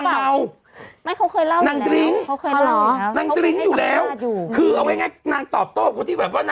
ปุ๊บปุ๊บปุ๊บปุ๊บปุ๊บปุ๊บ